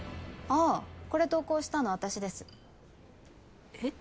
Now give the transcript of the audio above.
ああこれ投稿したの私ですえっ？